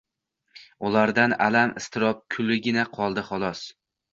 Ulardan alam-iztirob kuligina qoldi, xolos…